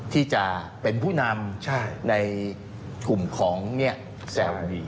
ที่จะเป็นผู้นำใช่ในกลุ่มของเนี้ยแซวดี